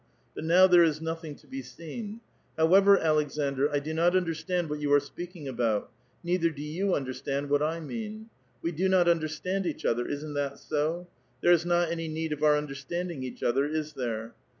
But now there is nothing to be seen. How ever, Aleksundr, I do not underatand what you are speaking about ; neither do you understand what 1 mean. We do not undei*stand each other ; isn't that so? There is not any need of our understanding each other, is there